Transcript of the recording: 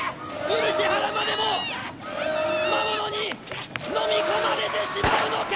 漆原までも魔物にのみ込まれてしまうのか？